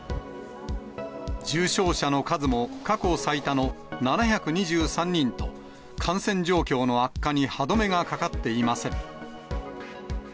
重症者の数も過去最多の７２３人と、感染状況の悪化に歯止めがかかっていません。